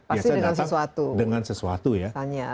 biasa datang dengan sesuatu ya